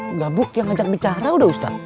enggak bu yang ngajak bicara udah ustadz